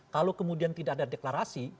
kalau kemudian tidak ada deklarasi